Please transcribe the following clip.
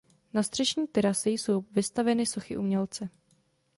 Na střešní terase jsou vystaveny sochy umělce.